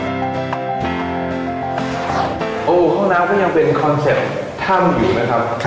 โอ้โหห้องน้ำก็ยังเป็นคอนเซ็ปต์ถ้ำอยู่นะครับ